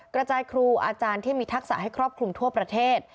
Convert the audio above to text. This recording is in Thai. กระจายครูอาจารย์ที่มีทักษะให้ครอบคลุมทั่วประเทศ